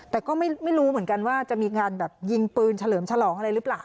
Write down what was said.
แต่ก็ไม่รู้เหมือนกันว่าจะมีการแบบยิงปืนเฉลิมฉลองอะไรหรือเปล่า